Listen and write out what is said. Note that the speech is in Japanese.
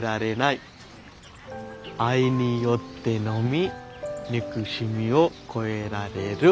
愛によってのみ憎しみを越えられる。